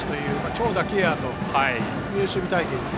長打ケアという守備隊形です。